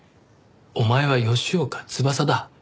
お前は吉岡翼だ。